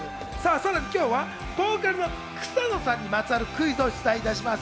さらに今日はボーカルの草野さんにまつわるクイズを出題いたします。